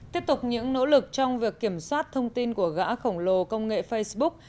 tiếp tục những nỗ lực trong việc kiểm soát thông tin của gã khổng lồ công nghệ facebook